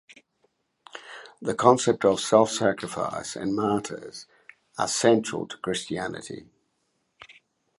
The concept of self-sacrifice and martyrs are central to Christianity.